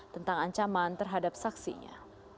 tentang ancaman terhadap saksinya